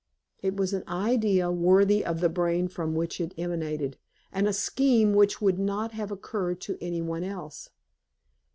It was an idea worthy of the brain from which it emanated, and a scheme which would not have occurred to any one else.